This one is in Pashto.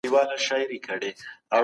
داخلي خصوصي سکتور ته وده ورکړئ.